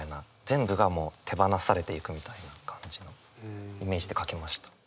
全部が手放されていくみたいな感じのイメージで書きました。